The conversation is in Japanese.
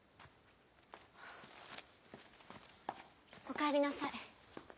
おかえりなさい。